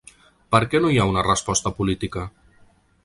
Per què no hi ha una resposta política?.